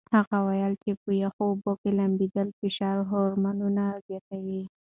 هغه وویل چې په یخو اوبو کې لامبېدل فشار هورمونونه زیاتوي.